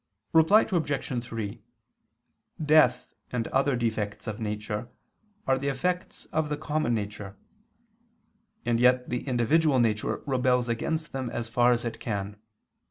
Reply Obj. 3: Death and other defects of nature are the effects of the common nature; and yet the individual nature rebels against them as far as it can.